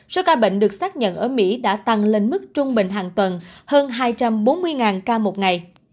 số ca bệnh được xác nhận ở mỹ đã tăng lên mức trung bình hàng tuần hơn hai trăm bốn mươi ca một ngày